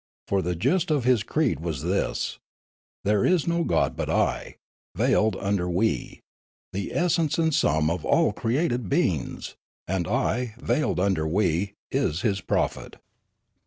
For the gist of his creed was this: " There is no god but I, veiled under We, the essence and sum of all created beings ; and I, veiled under We, is his prophet."